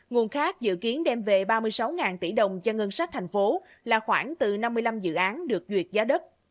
nguồn khác dự kiến đem về ba mươi sáu tỷ đồng cho ngân sách thành phố là khoảng từ năm mươi năm dự án được duyệt giá đất